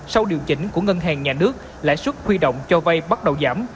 sau điều chỉnh của ngân hàng nhà nước lãi suất huy động cho vay bắt đầu giảm